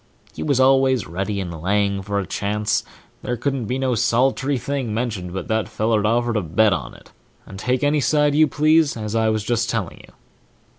He was always ready and laying for a chance; there couldn't be no solit'ry thing mentioned but that feller'd offer to bet on it, and take any side you please, as I was just telling you.